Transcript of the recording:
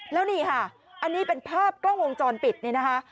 แล้วนี่ค่ะอันนี้เป็นภาพกล้องวงจรปิดนี่นะคะ